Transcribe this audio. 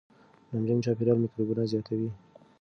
نمجن چاپېریال میکروبونه زیاتوي.